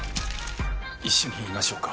一緒にいましょうか？